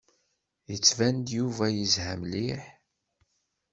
Yettban-d Yuba yezha mliḥ.